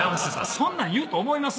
そんなん言うと思います？